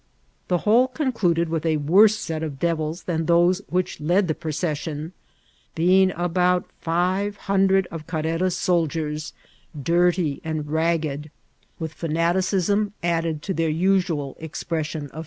The whole concluded with a worse set of devHs than those which led the procession, being about five hundred of Carrera's soldiers, dirty and rag* ged, with fanaticism added to their usual expression of Vol.